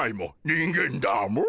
人間だモ。